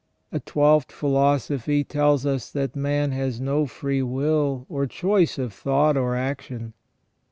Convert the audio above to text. A twelfth philosophy tells us that man has no free will, or choice of thought or action.